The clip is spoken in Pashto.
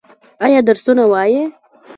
ایا درسونه وايي؟